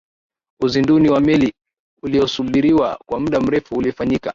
uzinduzi wa meli uliyosubiriwa kwa muda mrefu ulifanyika